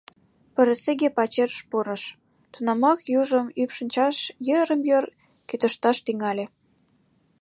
Пырысиге пачерыш пурыш, тунамак южым ӱпшынчаш, йырым-йыр кӱтышташ тӱҥале.